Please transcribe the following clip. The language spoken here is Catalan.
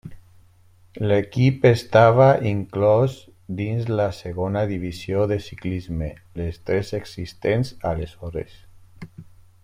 L'equip estava inclòs dins la Segona divisió de ciclisme, les tres existents aleshores.